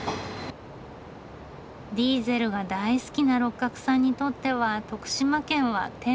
ディーゼルが大好きな六角さんにとっては徳島県は天国ですね。